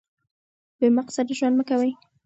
بې مقصده ژوند مه کوئ.